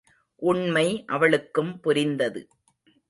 உண்மை அவளுக்கும் புரிந்தது.